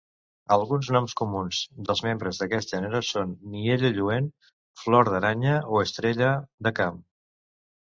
Alguns noms comuns dels membres d'aquest gènere són niella lluent, flor d'aranya o estrella de camp.